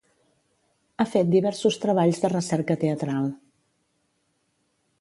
Ha fet diversos treballs de recerca teatral.